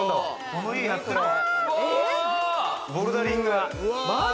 ボルダリング。